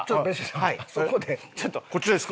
こっちですか？